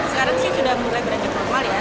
sekarang sih sudah mulai beranjak normal ya